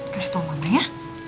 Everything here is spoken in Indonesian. kasih tau mama ya